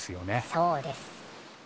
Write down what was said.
そうです。